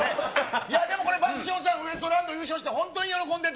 いや、でも、爆笑さん、ウエストランド優勝して、本当に喜んでて。